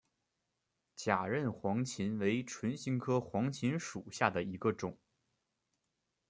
假韧黄芩为唇形科黄芩属下的一个种。